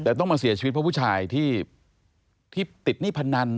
แต่ต้องมาเสียชีวิตเพราะผู้ชายที่ติดหนี้พนัน